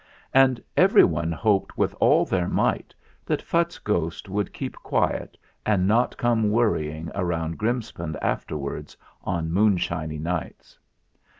And everybody hoped with all their might that Phutt's ghost would keep quiet and not come worrying round Grimspound afterwards on moonshiny nights.